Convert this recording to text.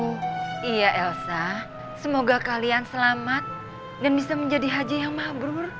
oh iya elsa semoga kalian selamat dan bisa menjadi haji yang mabrur